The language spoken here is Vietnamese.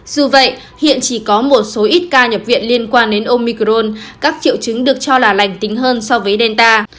dù vậy hiện chỉ có một số ít ca nhập viện liên quan đến omicron các triệu chứng được cho là lành tính hơn so với delta